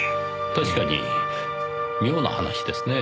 確かに妙な話ですね。